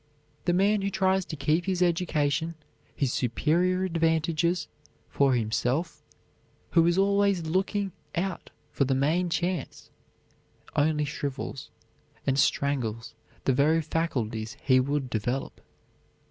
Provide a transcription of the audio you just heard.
The man who tries to keep his education, his superior advantages for himself, who is always looking out for the main chance, only shrivels, and strangles the very faculties he would develop.